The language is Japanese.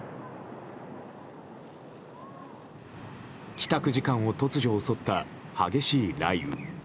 帰宅時間を突如、襲った激しい雷雨。